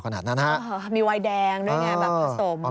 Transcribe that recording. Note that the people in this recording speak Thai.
ขนาดนั้นฮะมีวายแดงด้วยไง